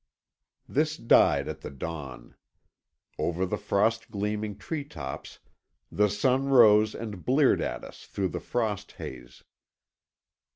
This died at the dawn. Over the frost gleaming tree tops the sun rose and bleared at us through the frost haze.